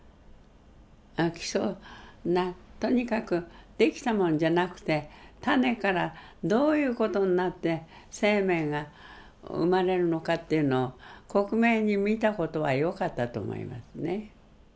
基礎とにかく出来たもんじゃなくて種からどういう事になって生命が生まれるのかというのを克明に見た事はよかったと思いますね。